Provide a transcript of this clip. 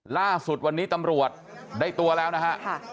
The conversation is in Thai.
ล่าสุดวันนี้ตำรวจได้ตัวแล้วนะฮะ